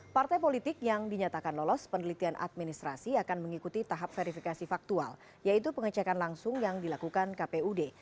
partai politik yang dinyatakan lolos penelitian administrasi akan mengikuti tahap verifikasi faktual yaitu pengecekan langsung yang dilakukan kpud